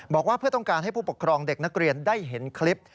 บอกว่าเพื่อต้องการให้ผู้ปกครองเด็กนักเรียนได้เห็นคลิป